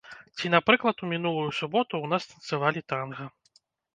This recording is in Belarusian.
Ці, напрыклад, у мінулую суботу ў нас танцавалі танга.